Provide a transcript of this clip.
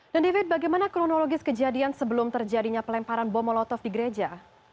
dan david bagaimana kronologis kejadian sebelum terjadinya pelemparan bomolotov di gereja